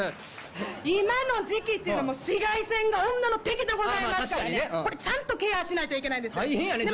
今の時期ってのは紫外線が女の敵でございますからねちゃんとケアしないといけない大変やね